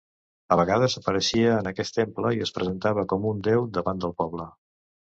A vegades apareixia en aquest temple i es presentava com un déu davant del poble.